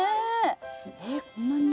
えこんなに？